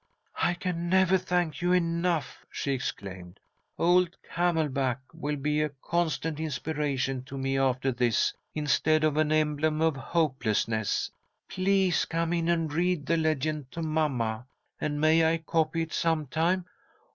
"I can never thank you enough!" she exclaimed. "Old Camelback will be a constant inspiration to me after this instead of an emblem of hopelessness. Please come in and read the legend to mamma! And may I copy it sometime?